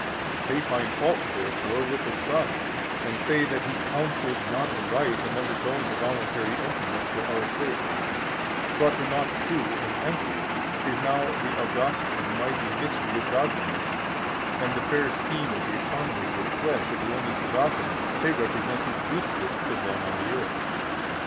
A. They find fault therefore with the Son and say that He counselled not aright in undergoing the voluntary emptiness for our sake: brought to nought too and empty is now the august and mighty Mystery of godliness, and the fair scheme of the Economy with flesh of the Only Begotten they represent as useless to them on the earth.